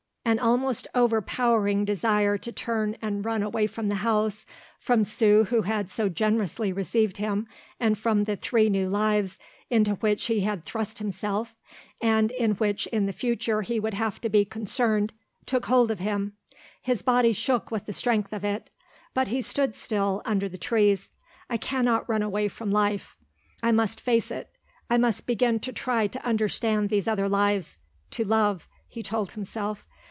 An almost overpowering desire to turn and run away from the house, from Sue who had so generously received him and from the three new lives into which he had thrust himself and in which in the future he would have to be concerned, took hold of him. His body shook with the strength of it, but he stood still under the trees. "I cannot run away from life. I must face it. I must begin to try to understand these other lives, to love," he told himself.